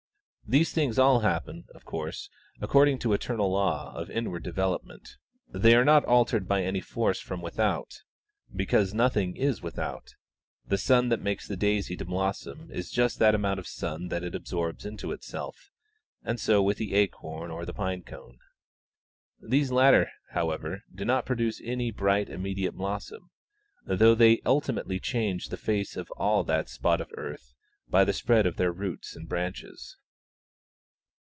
These things all happen, of course, according to eternal law of inward development; they are not altered by any force from without, because nothing is without: the sun that makes the daisy to blossom is just that amount of sun that it absorbs into itself, and so with the acorn or the pine cone. These latter, however, do not produce any bright immediate blossom, though they ultimately change the face of all that spot of earth by the spread of their roots and branches.